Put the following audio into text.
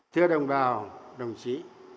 thưa đồng bào đồng chí